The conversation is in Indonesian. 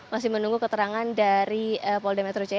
masih menunggu keterangan dari polda metro jaya